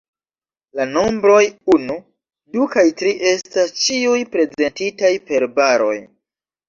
La nombroj unu, du kaj tri estas ĉiuj prezentitaj per baroj.